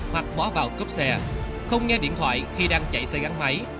hoặc bỏ vào cướp xe không nghe điện thoại khi đang chạy xe gắn máy